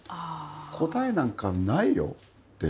答えなんかないよって。